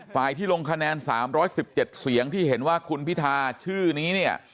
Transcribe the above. ฝ่ายที่ลงคะแนนสามร้อยสิบเจ็ดเสียงที่เห็นว่าคุณพิธาชื่อนี้เนี่ย